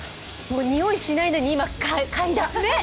においしないのに、今、かいだ。